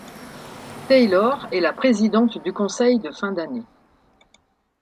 Taylor est la présidente du conseil de fin d'année.